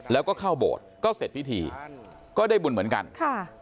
แล้วก็เข้าโบสถ์ก็เสร็จพิธีก็ได้บุญเหมือนกันค่ะ